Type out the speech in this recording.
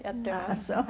ああそう。